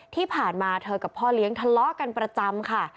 ที่ผ่านมาเธอกับพ่อเลี้ยงทะเลาะกันประจำค่ะ